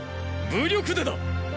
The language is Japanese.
武力でだ！